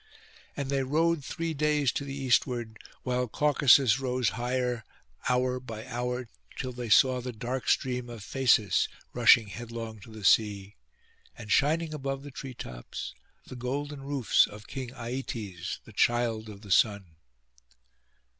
And they rowed three days to the eastward, while Caucasus rose higher hour by hour, till they saw the dark stream of Phasis rushing headlong to the sea, and, shining above the tree tops, the golden roofs of King Aietes, the child of the Sun.